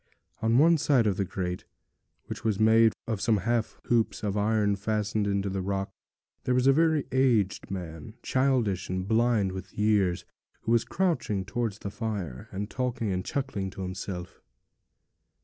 On one side of the grate, which was made of some half hoops of iron fastened into the rock, there was a very aged man, childish and blind with years, who was crouching towards the fire, and talking and chuckling to himself.